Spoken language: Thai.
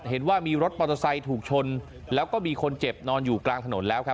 เห็นว่ามีรถมอเตอร์ไซค์ถูกชนแล้วก็มีคนเจ็บนอนอยู่กลางถนนแล้วครับ